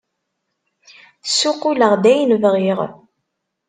Ssuqquleɣ-d ayen bɣiɣ!